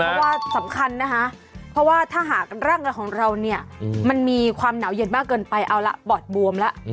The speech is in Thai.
เพราะว่าสำคัญนะคะเพราะว่าถ้าหากร่างกายของเราเนี่ยมันมีความหนาวเย็นมากเกินไปเอาละปอดบวมแล้ว